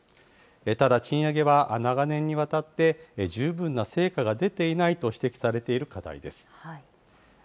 ただ、賃上げは長年にわたって十分な成果が出ていないと指摘されている課題です。